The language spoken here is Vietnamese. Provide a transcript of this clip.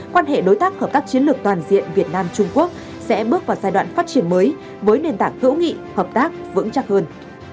quan hệ đối tác hợp tác chiến lược toàn diện việt nam trung quốc sẽ bước vào giai đoạn phát triển mới với nền tảng hữu nghị hợp tác vững chắc hơn